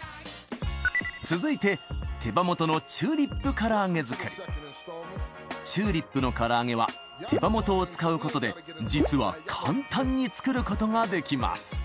このあと続いてチューリップの唐揚げは手羽元を使うことで実は簡単に作ることができます